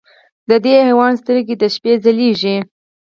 د دې حیوان سترګې د شپې ځلېږي.